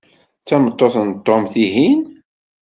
D tameṭṭut n Tom, tihin?